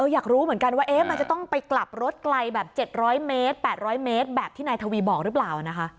อยากรู้เหมือนกันว่ามันจะต้องไปกลับรถไกลแบบ๗๐๐เมตร๘๐๐เมตรแบบที่นายทวีบอกหรือเปล่านะคะ